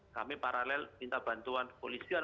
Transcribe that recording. kami paralel minta bantuan kepolisian